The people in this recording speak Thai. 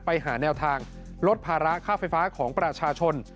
ไปหาแนวทางลดภาระค่าไฟฟ้าของประชาชน